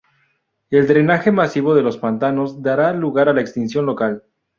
El drenaje masivo de los pantanos dará lugar a la extinción local.